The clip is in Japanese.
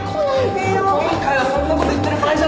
今回はそんなこと言ってる場合じゃないんで。